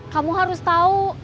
kamu harus tau